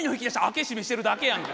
開け閉めしてるだけやん。